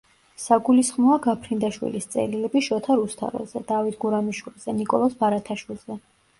საგულისხმოა გაფრინდაშვილის წერილები შოთა რუსთაველზე, დავით გურამიშვილზე, ნიკოლოზ ბარათაშვილზე.